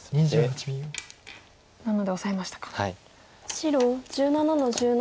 白１７の十七。